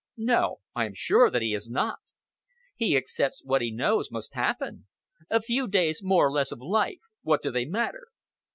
No! I am sure that he has not! He accepts what he knows must happen! A few days more or less of life what do they matter?"